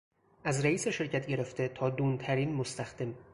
از رئیس شرکت گرفته تا دونترین مستخدم...